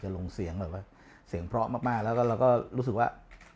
จะลงเสียงเหรอแล้วเราก็รู้สึกว่า